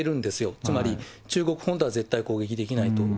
つまり中国本土は絶対攻撃できないと。